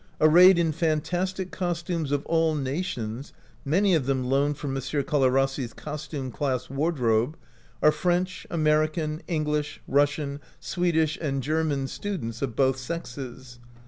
Arrayed in fantastic costumes of all nations, many of them loaned from M. Colarrossi's costume class wardrobe, are French, American, English, Russian, Swe dish and German students of both sexes.